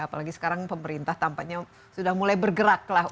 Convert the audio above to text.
apalagi sekarang pemerintah tampaknya sudah mulai bergeraklah